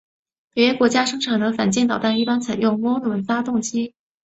北约国家生产的反舰导弹一般采用涡轮发动机。